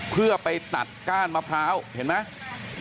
เพื่อไปตัดก้านมะพร้าวเห็นไหม